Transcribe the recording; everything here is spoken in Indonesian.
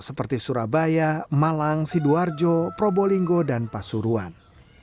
seperti surabaya malang sidoarjo probolinggo dan pasuruan